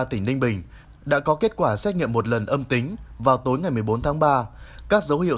tỉnh ninh bình đã có kết quả xét nghiệm một lần âm tính vào tối ngày một mươi bốn tháng ba các dấu hiệu